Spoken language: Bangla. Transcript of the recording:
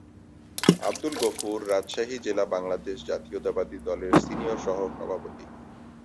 আবদুল গফুর রাজশাহী জেলা বাংলাদেশ জাতীয়তাবাদী দলের সিনিয়র সহসভাপতি।